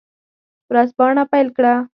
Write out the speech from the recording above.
ورځپاڼه پیل کړه.